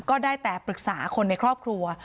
ก็ได้แต่ปรึกษาคนในครอบครัว